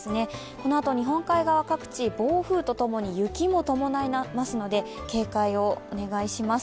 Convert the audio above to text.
このあと日本海側各地、暴風と共に雪も伴いますので警戒をお願いします。